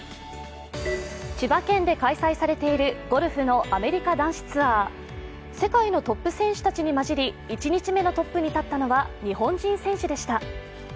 千葉県で開催されているゴルフのアメリカ男子ツアー世界のトップ選手たちに交じり、１日目のトップに立ったのは日本人選手でした。